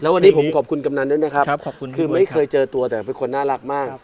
วันนี้ผมขอบคุณกำนันด้วยนะครับขอบคุณคือไม่เคยเจอตัวแต่เป็นคนน่ารักมาก